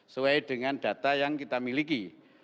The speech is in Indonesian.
sesuai dengan data yang kita miliki